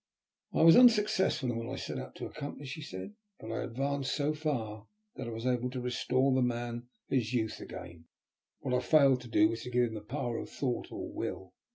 "I was unsuccessful in what I set out to accomplish," he said, "but I advanced so far that I was able to restore the man his youth again. What I failed to do was to give him the power of thought or will.